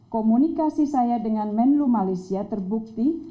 komunikasi saya dengan menlu malaysia terbukti